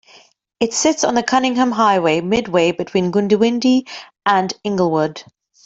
It sits on the Cunningham Highway midway between Goondiwindi and Inglewood.